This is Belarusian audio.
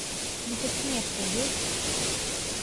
Ну хоць нешта ёсць?